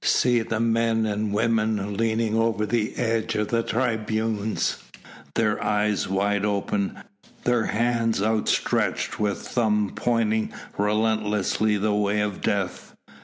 See the men and women leaning over the edge of the tribunes, their eyes wide open, their hands outstretched with thumb pointing relentlessly the way of death.